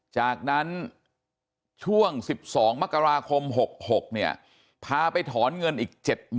จากนั้นช่วง๑๒มกราคม๖๖พาไปถอนเงินอีก๗๐๐๐